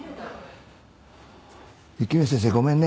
雪宮先生ごめんね。